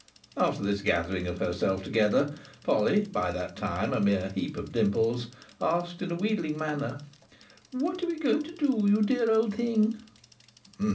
After this gathering of herself together, Polly, by that time, a mere heap of dimples, asked in a wheedling manner: "What are we going to do, you dear old thing?"